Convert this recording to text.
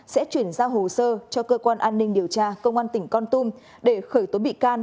sẽ chuyển giao hồ sơ cho cơ quan an ninh điều tra công an tỉnh con tum để khởi tố bị can